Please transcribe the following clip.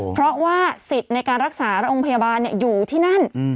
เพราะว่าสิทธิ์ในการรักษาโรงพยาบาลอยู่ที่นั่น